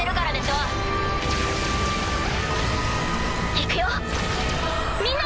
いくよみんな！